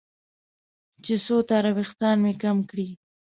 چې څو تاره وېښتان مې کم کړي.